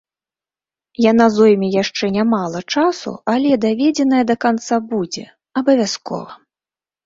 Яна зойме яшчэ нямала часу, але даведзеная да канца будзе, абавязкова.